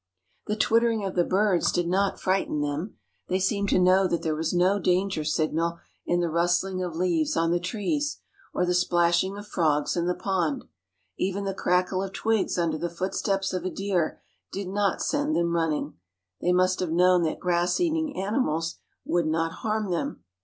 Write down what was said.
The twittering of the birds did not frighten them. They seemed to know that there was no danger signal in the rustling of leaves on the trees, or the splashing of frogs in the pond. Even the crackle of twigs under the footsteps of a deer did not send them running. They must have known that grass eating animals would not harm them.